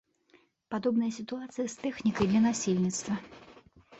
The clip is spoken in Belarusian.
Падобная сітуацыя з тэхнікай для насельніцтва.